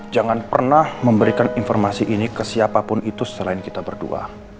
jangan pernah memberikan informasi ini ke siapapun itu selain kita berdua